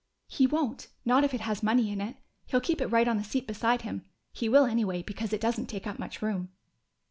"He won't not if it has money in it. He'll keep it right on the seat beside him.... He will anyway, because it doesn't take up much room."